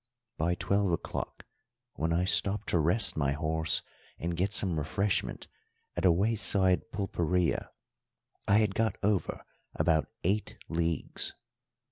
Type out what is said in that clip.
By twelve o'clock, when I stopped to rest my horse and get some refreshment at a wayside pulpería, I had got over about eight leagues.